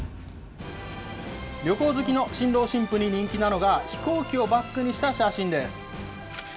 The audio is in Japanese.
旅行好きの新郎新婦に人気なのが、飛行機をバックにした写真です。